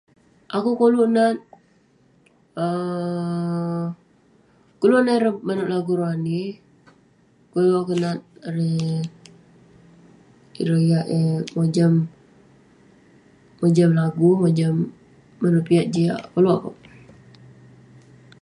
Akouk koluk nat um koluk nat ireh manouk lagu Rohani, koluk akouk nat erei- ireh yah eh mojam- mojam lagu, mojam manouk piak jiak. Koluk akouk.